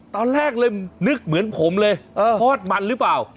ตอนแรกเลยนึกเหมือนผมเลยทอดมันหรือเปล่า